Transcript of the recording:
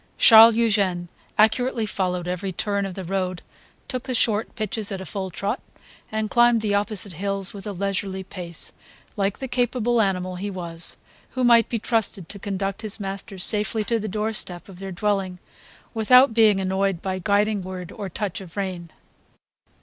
Charles Eugene accurately followed every turn of the road, took the short pitches at a full trot and climbed the opposite hills with a leisurely pace, like the capable animal he was, who might be trusted to conduct his masters safely to the door step of their dwelling without being annoyed by guiding word or touch of rein.